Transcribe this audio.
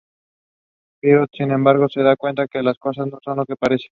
Poirot, sin embargo, se da cuenta que las cosas no son lo que parecen.